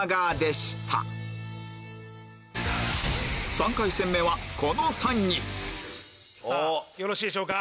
３回戦目はこの３人よろしいでしょうか？